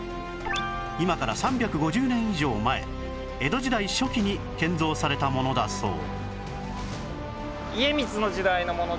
今から３５０年以上前江戸時代初期に建造されたものだそう